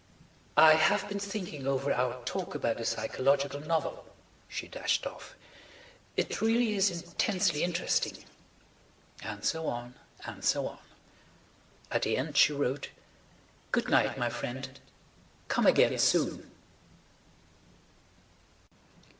"I have been thinking over our talk about the psychological novel," she dashed off, "it really is intensely interesting." ... And so on and so on. At the end she wrote: "Good night, my friend. Come again soon."